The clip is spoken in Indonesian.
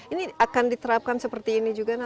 ini akan diterapkan seperti ini juga